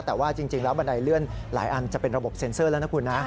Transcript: แต่ว่าจริงแล้วบันไดเลื่อนหลายอันจะเป็นระบบเซ็นเซอร์แล้วนะคุณนะ